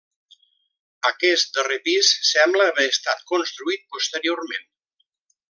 Aquest darrer pis sembla haver estat construït posteriorment.